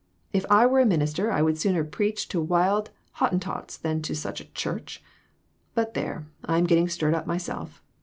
If I were a minister I would sooner preach to wild Hottentots than to such a church. But there ! I'm getting stirred up myself.